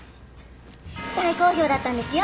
大好評だったんですよ